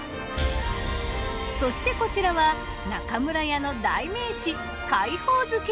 そしてこちらは中村家の代名詞海宝漬！